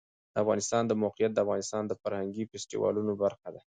د افغانستان د موقعیت د افغانستان د فرهنګي فستیوالونو برخه ده.